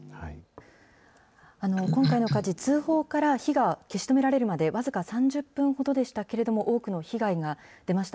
今回の火事、通報から火が消し止められるまで、僅か３０分ほどでしたけれども、多くの被害が出ました。